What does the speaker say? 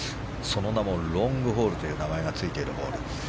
その名もロングホールという名前がついているホール。